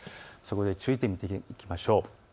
注意点、見ていきましょう。